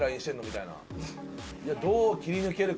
いやどう切り抜けるか。